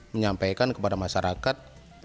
menyampaikan kepada masyarakat